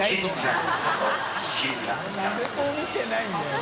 誰も見てないんだよ。